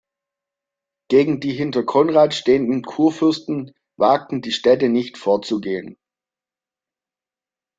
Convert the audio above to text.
Gegen die hinter Konrad stehenden Kurfürsten wagten die Städte nicht vorzugehen.